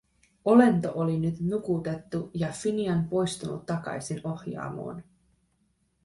Olento oli nyt nukutettu ja Finian poistunut takaisin ohjaamoon.